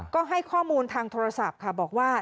ก็ให้ข้อมูลทางโทรศัพท์ค่ะบอกว่า